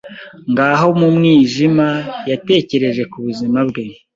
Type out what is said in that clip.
Ngaho mu mwijima, yatekereje ku buzima bwe.